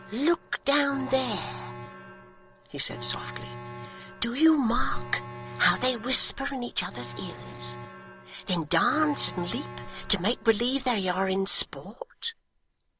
'Look down there,' he said softly; 'do you mark how they whisper in each other's ears; then dance and leap, to make believe they are in sport?